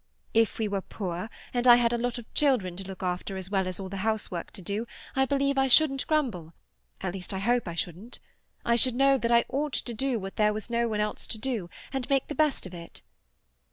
If we were poor, and I had a lot of children to look after as well as all the housework to do, I believe I shouldn't grumble—at least, I hope I shouldn't. I should know that I ought to do what there was no one else to do, and make the best of it.